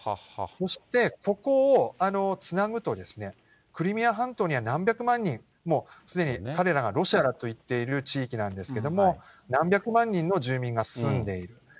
そしてここをつなぐと、クリミア半島には何百万人、すでに彼らがロシアだと言っている地域なんですけれども、何百万人の住民が住んでいる。